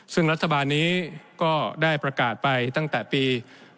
ซึ่งรัฐบาลนี้ก็ได้ประกาศไปตั้งแต่ปี๒๕๖